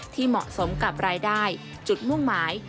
เหมาะสมกับรายได้จุดมุ่งหมาย